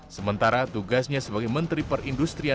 sementara tugasnya sebagai menteri perindustrian